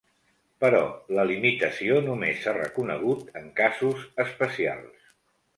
Però la limitació només s'ha reconegut en casos especials.